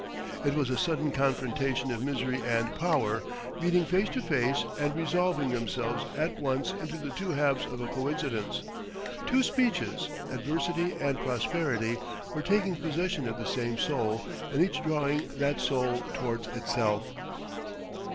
It was a sudden confrontation of misery and power, meeting face to face, and resolving themselves at once into the two halves of a conscience. Two spectres, Adversity and Prosperity, were taking possession of the same soul, and each drawing that soul towards itself.